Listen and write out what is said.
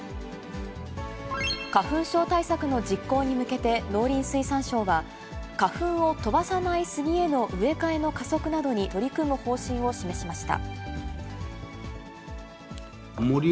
花粉症対策の実行に向けて、農林水産省は、花粉を飛ばさないスギへの植え替えの加速などに取り組む方針を示しました。